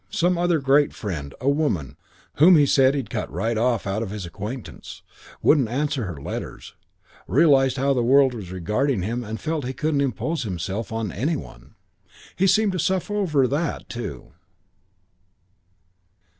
Some other great friend, a woman, whom he said he'd cut right off out of his acquaintance wouldn't answer her letters: realised how the world was regarding him and felt he couldn't impose himself on any one. He seemed to suffer over that, too."